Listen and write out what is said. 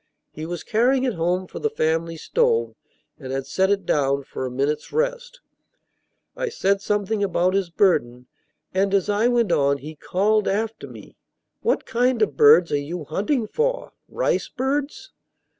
He was carrying it home for the family stove, and had set it down for a minute's rest. I said something about his burden, and as I went on he called after me: "What kind of birds are you hunting for? Ricebirds?"